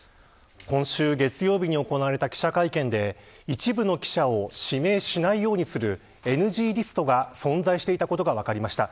今週月曜日に行われた記者会見で一部の記者を指名しないようにするＮＧリストが存在していたことが分かりました。